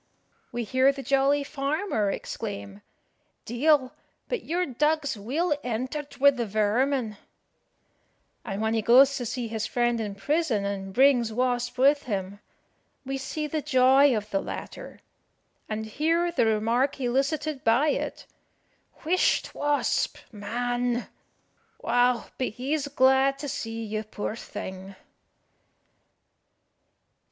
We hear the jolly farmer exclaim "De'il, but your dog's weel entered wi' the vermin;" and when he goes to see his friend in prison, and brings Wasp with him, we see the joy of the latter, and hear the remark elicited by it "Whisht, Wasp man! Wow, but he's glad to see you, poor thing."